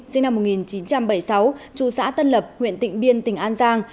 sinh năm một nghìn chín trăm bảy mươi sáu trụ xã tân lập huyện tịnh biên tỉnh an giang